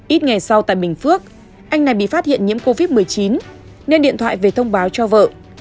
ít ngày sau tại bình phước anh này bị phát hiện nhiễm covid một mươi chín nên điện thoại về thông báo cho vợ